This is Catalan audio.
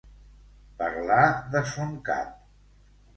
Parlar de son cap.